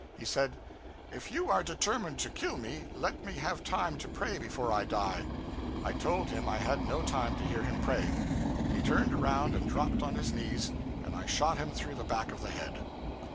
He said, 'If you are determined to kill me, let me have time to pray before I die,' I told him I had no time to hear him pray. He turned around and dropped on his knees, and I shot him through the back of the head.